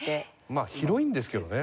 まあ広いんですけどね